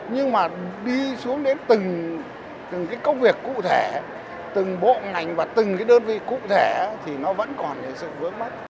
nhưng mà đi xuống đến từng cái công việc cụ thể từng bộ ngành và từng cái đơn vị cụ thể thì nó vẫn còn sự vướng mắt